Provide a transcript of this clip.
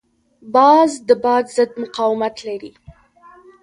باز د باد ضد مقاومت لري